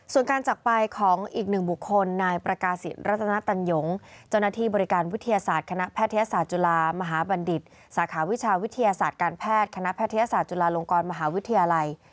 ส่วนการจักรไปของอีกหนึ่งบุคคลนายประกาศิษรัตนตันหยงเจ้าหน้าที่บริการวิทยาศาสตร์คณะแพทยศาสตร์จุฬามหาบัณฑิตสาขาวิชาวิทยาศาสตร์การแพทย์คณะแพทยศาสตุลาลงกรมหาวิทยาลัย